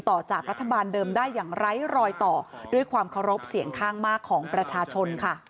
ต่อจากรัฐบาลเดิมได้อย่างไร้รอยต่อด้วยความเคารพเสียงข้างมากของประชาชนค่ะ